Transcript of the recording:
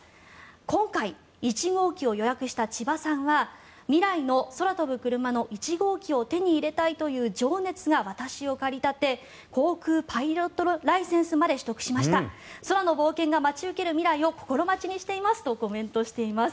今回、１号機を予約した千葉さんは未来の空飛ぶクルマの１号機を手に入れたいという情熱が私を駆り立て航空パイロットライセンスまで取得しました空の冒険が待ち受ける未来を心待ちにしていますとコメントしています。